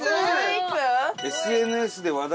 「ＳＮＳで話題。